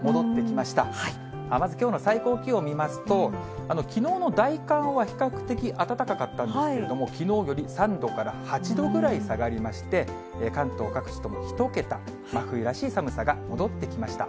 まずきょうの最高気温見ますと、きのうの大寒は比較的暖かかったんですけれども、きのうより３度から８度ぐらい下がりまして、関東各地とも１桁、真冬らしい寒さが戻ってきました。